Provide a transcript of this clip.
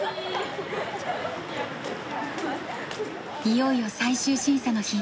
いよいよ最終審査の日。